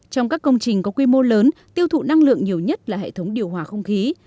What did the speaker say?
trong các công trình có quy mô lớn tiêu thụ năng lượng nhiều nhất là hệ thống điều hòa không khí